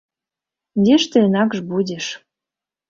Дзе ж ты інакш будзеш.